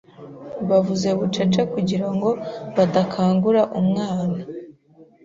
Bavuze bucece kugirango badakangura umwana.